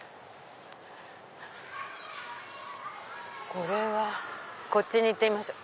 これはこっちに行ってみましょう。